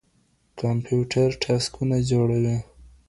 کمپيوټر ټاسکونه جوړوي.